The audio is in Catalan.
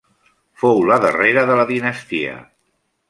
Fou la darrera de la dinastia.